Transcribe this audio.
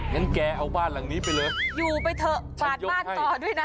งั้นแกเอาบ้านหลังนี้ไปเลยอยู่ไปเถอะปาดบ้านต่อด้วยนะ